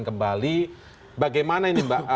kembali bagaimana ini mbak